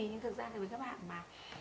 nhưng thực ra là với các bạn mà